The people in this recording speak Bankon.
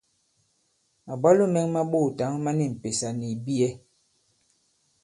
Màbwalo mɛ̄ŋ mā ɓoòtǎŋ ma ni m̀pèsà nì ìbiyɛ.